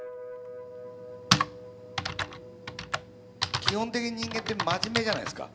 基本的に人間って真面目じゃないですか。